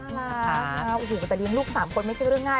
น่ารักแต่ดิลูกสามคนไม่ใช่เรื่องง่าย